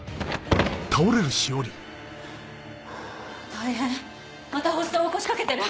大変また発作を起こしかけてる！